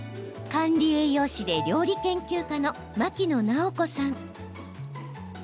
管理栄養士で料理研究家の牧野直子さん。